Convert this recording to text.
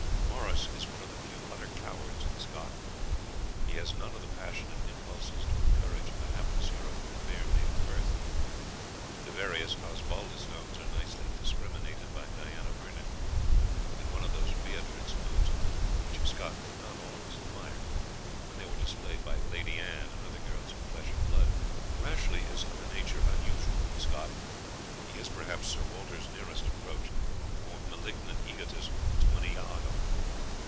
Morris is one of the few utter cowards in Scott. He has none of the passionate impulses towards courage of the hapless hero in "The Fair Maid of Perth." The various Osbaldistones are nicely discriminated by Diana Vernon, in one of those "Beatrix moods" which Scott did not always admire, when they were displayed by "Lady Anne" and other girls of flesh and blood. Rashleigh is of a nature unusual in Scott. He is, perhaps, Sir Walter's nearest approach, for malignant egotism, to an Iago.